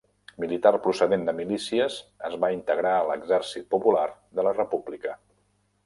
Militar procedent de milícies, es va integrar a l'Exèrcit Popular de la República.